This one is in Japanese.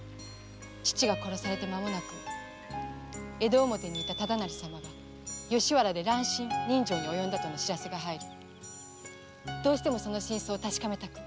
父が殺されてまもなく江戸表にいた忠成様が吉原にて乱心刃傷に及んだとの報せが入りどうしてもその真相を確かめたく。